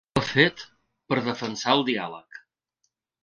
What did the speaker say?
I ho ha fet per defensar el diàleg.